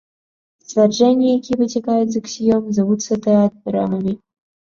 Сцвярджэнні, якія выцякаюць з аксіём, завуцца тэарэмамі.